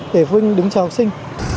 để phụ huynh đứng chờ học sinh